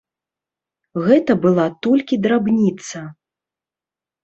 Гэта была толькі драбніца.